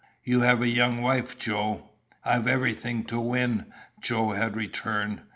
"You have a young wife, Joe." "I've everything to win," Joe had returned.